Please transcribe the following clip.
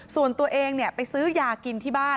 ส่วนตัวเองไปซื้อยากินที่บ้าน